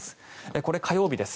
これ、火曜日です。